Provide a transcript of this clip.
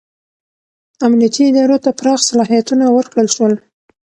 امنیتي ادارو ته پراخ صلاحیتونه ورکړل شول.